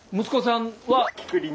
息子さんは？